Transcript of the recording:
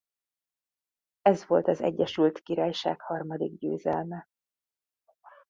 Ez volt az Egyesült Királyság harmadik győzelme.